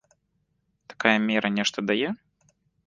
Такая мера нешта дае?